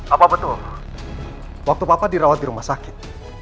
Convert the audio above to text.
apa betul waktu papa dirawat di rumah sakit